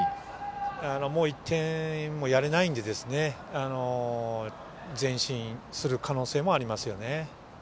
もう１点もやれないんで前進する可能性もありますよね。